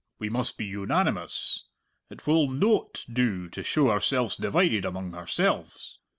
We must be unanimous. It will noat do to show ourselves divided among ourselves.